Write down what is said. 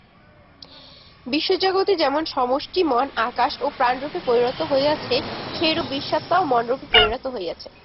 বিশ্বজগতে যেমন সমষ্টি-মন আকাশ ও প্রাণরূপে পরিণত হইয়াছে, সেইরূপ বিশ্বাত্মাও মনরূপে পরিণত হইয়াছে।